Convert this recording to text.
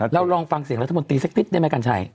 แล้วลองฟังเสียงรัฐบนตรีเซ็กติ๊กได้ไหมกันชัย